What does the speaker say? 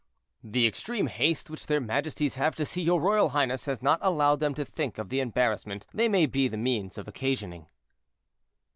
"The extreme haste which their majesties have to see your royal highness has not allowed them to think of the embarrassment they may be the means of occasioning."